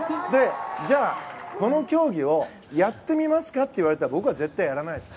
じゃあ、この競技をやってみますか？と言われたら僕は絶対にやらないです。